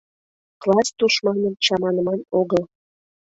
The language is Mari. Класс тушманым чаманыман огыл!